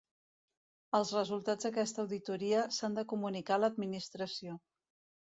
Els resultats d'aquesta auditoria s'han de comunicar a l'Administració.